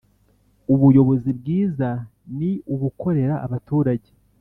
Ubuyobozi bwiza ni ubukorera abaturage